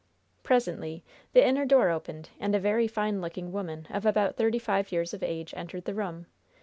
Presently the inner door opened and a very fine looking woman of about thirty five years of age entered the room.